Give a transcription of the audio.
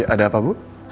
ada apa bu